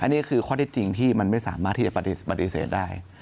อันนี้คือข้อได้จริงที่มันไม่สามารถที่จะปฏิเสธได้